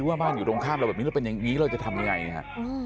ว่าบ้านอยู่ตรงข้ามเราแบบนี้เราเป็นอย่างนี้เราจะทำยังไงฮะ